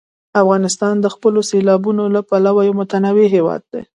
افغانستان د خپلو سیلابونو له پلوه یو متنوع هېواد دی.